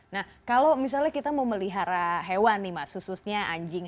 nah kalau misalnya kita mau melihara hewan nih mas khususnya anjing